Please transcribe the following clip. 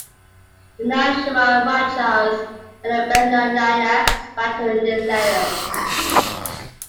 The Nileshwar Rajahs and the Bednore Nayaks battled in this area.